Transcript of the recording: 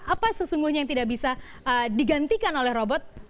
apa sesungguhnya yang tidak bisa digantikan oleh robot